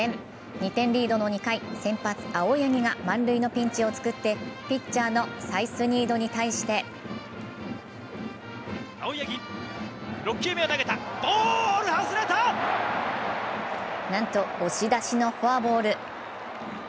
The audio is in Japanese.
２点リードの２回、先発・青柳が満塁のピンチを作ってピッチャーのサイスニードに対してなんと押し出しのフォアボール。